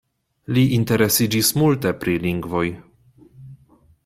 Li interesiĝis multe pri lingvoj.